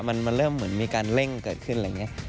มันเริ่มเหมือนมีการเร่งเกิดขึ้นอะไรอย่างนี้